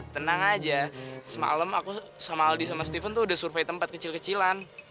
tenang aja semalam aku sama aldi sama stephen tuh udah survei tempat kecil kecilan